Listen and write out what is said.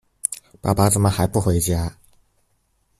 爸爸怎麼還不回家